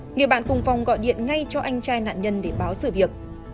người bạn cùng phong gọi điện ngay cho anh trai nạn nhân để báo sự việc